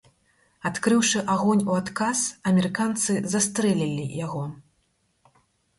Адкрыўшы агонь у адказ, амерыканцы застрэлілі яго.